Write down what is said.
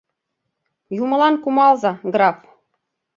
“Юмылан кумалза, граф!